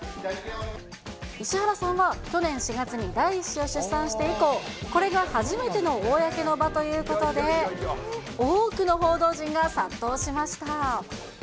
石原さんは去年４月に第１子を出産して以降、これが初めての公の場ということで、多くの報道陣が殺到しました。